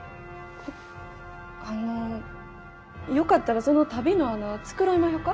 あのよかったらその足袋の穴繕いまひょか？